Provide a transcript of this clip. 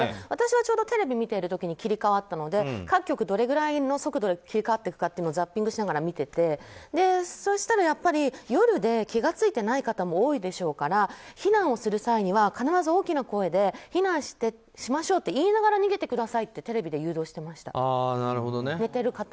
私はちょうどテレビを見ている時に切り替わったので各局どれくらいの速度で切り替わっていくかをザッピングしながら見ててそしたら、やっぱり夜で気が付いていない方も多いでしょうから避難をする際には必ず大きな声で避難しましょうと言いながら逃げてくださいとテレビで誘導してました。